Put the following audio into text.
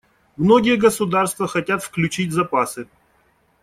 Многие государства хотят включить запасы.